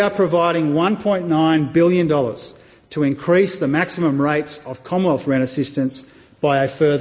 kami mendukung satu sembilan bilion dolar untuk meningkatkan harga hidup komunis dengan sepuluh lebih